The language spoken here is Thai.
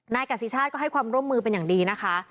กสิชาติก็ให้ความร่วมมือเป็นอย่างดีนะคะ